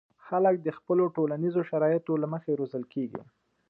خلک د خپلو ټولنیزو شرایطو له مخې روزل کېږي.